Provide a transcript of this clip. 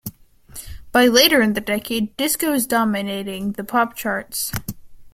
By later in the decade Disco was dominating the pop charts.